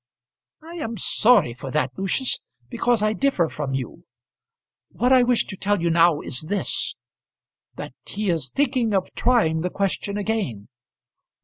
"I am sorry for that, Lucius, because I differ from you. What I wish to tell you now is this, that he is thinking of trying the question again."